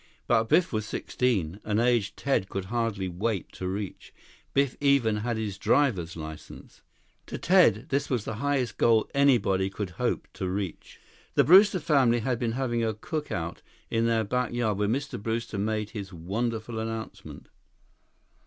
But Biff was sixteen, an age Ted could hardly wait to reach. Biff even had his driver's license. To Ted, this was the highest goal anybody could hope to reach. The Brewster family had been having a cookout in their backyard when Mr. Brewster made his wonderful announcement.